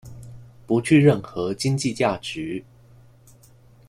不具任何经济价值。